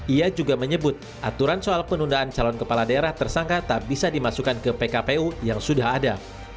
ia juga menyebut aturan soal penundaan calon kepala daerah tersangka tak bisa dimasukkan ke pkpu yang sudah ada